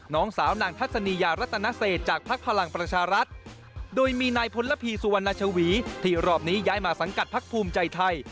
น้องสาวนางทัศนียารัตนเศษจากพักพลังประชารัฐ